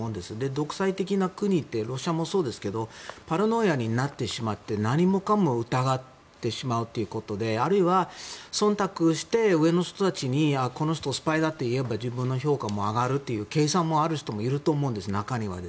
独裁的な国ってロシアもそうですがパラノイアになってしまって何もかも疑ってしまうということであるいは忖度して上の人たちにこの人、スパイだといえば自分の評価も上がるという計算がある人も中にはいると思います。